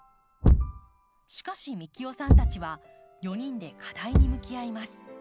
しかし幹雄さんたちは４人で課題に向き合います。